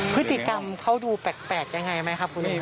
พฤติกรรมเขาดูแปลกอย่างไรไหมครับ